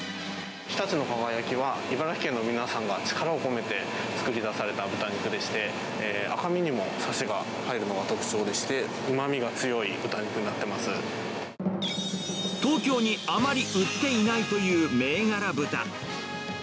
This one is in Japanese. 常陸の輝きは茨城県の皆さんが力を込めて作り出された豚肉でして、赤身にもさしが入るのが特徴でして、うまみが強い豚肉になってま東京にあまり売っていないという銘柄豚。